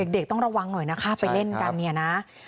เด็กต้องระวังหน่อยนะคะไปเล่นกัน